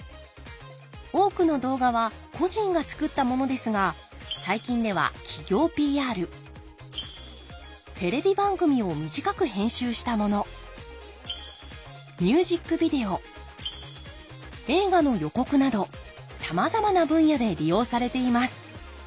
多くの動画は個人が作ったものですが最近では企業ＰＲテレビ番組を短く編集したものミュージックビデオ映画の予告などさまざまな分野で利用されています。